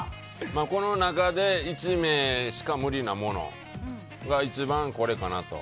この中で１名しか無理なものは一番これかなと。